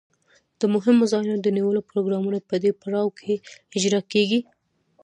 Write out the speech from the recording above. د مهمو ځایونو د نیولو پروګرامونه په دې پړاو کې اجرا کیږي.